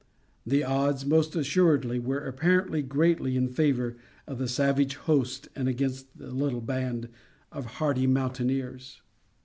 The odds, most assuredly, were apparently greatly in favor of the savage host and against the little band of hardy mountaineers.